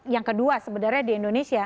yang kedua sebenarnya di indonesia